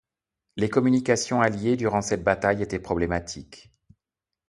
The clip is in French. Les communications alliées durant cette bataille étaient problématiques.